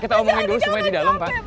kita omongin dulu supaya di dalam pak